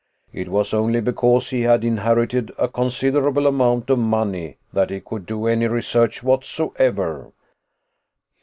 It was only because he had inherited a considerable amount of money that he could do any research whatsoever."